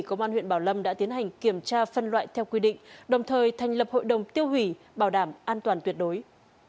công an huyện bảo lâm vừa tiến hành tiêu hủy số lượng lớn các loại vũ khí vật liệu nổ và công cụ hỗ trợ như súng tự chế vật liệu nổ và công cụ hỗ trợ như súng tự chế